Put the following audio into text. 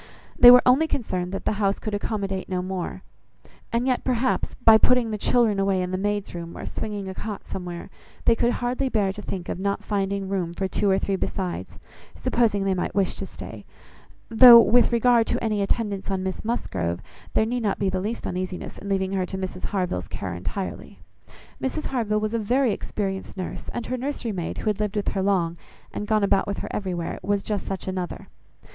They were only concerned that the house could accommodate no more; and yet perhaps, by "putting the children away in the maid's room, or swinging a cot somewhere," they could hardly bear to think of not finding room for two or three besides, supposing they might wish to stay; though, with regard to any attendance on Miss Musgrove, there need not be the least uneasiness in leaving her to Mrs Harville's care entirely. Mrs Harville was a very experienced nurse, and her nursery maid, who had lived with her long, and gone about with her everywhere, was just such another.